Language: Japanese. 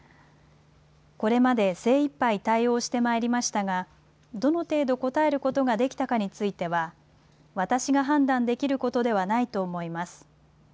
これまで、精いっぱい対応してまいりましたが、どの程度応えることができたかについては、私が判断できることではないと思います。